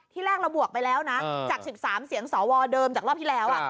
แรกเราบวกไปแล้วนะจาก๑๓เสียงสวเดิมจากรอบที่แล้ว